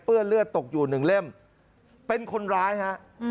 เลือดเลือดตกอยู่หนึ่งเล่มเป็นคนร้ายฮะ